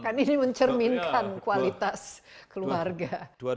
kan ini mencerminkan kualitas keluarga